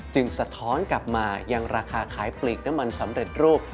สะท้อนกลับมายังราคาขายปลีกน้ำมันสำเร็จรูป